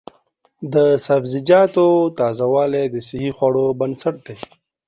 د سبزیجاتو تازه والي د صحي خوړو بنسټ دی.